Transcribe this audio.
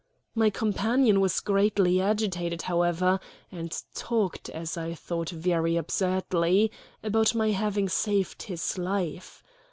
My companion was greatly agitated, however, and talked, as I thought very absurdly, about my having saved his life.